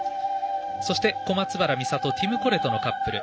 そして、小松原美里ティム・コレトのカップル。